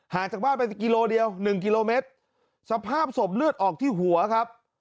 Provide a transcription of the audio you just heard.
หาจากบ้านเป็นเกิกกิโลเดียว๑กิโลเมตรสภาพศพเลือดออกที่หัวครับ